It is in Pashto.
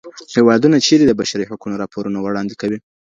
هیوادونه چیري د بشري حقونو راپورونه وړاندي کوي؟